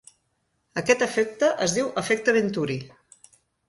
Aquest efecte es diu efecte Venturi.